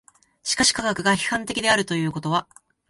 しかし科学が批判的であるということは